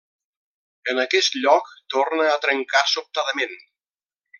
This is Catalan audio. En aquest lloc torna a trencar sobtadament.